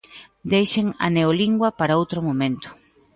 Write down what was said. Deixen a neolingua para outro momento.